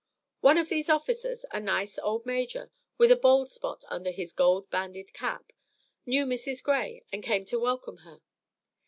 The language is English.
One of these officers, a nice old Major, with a bald spot under his gold banded cap, knew Mrs. Gray, and came to welcome her.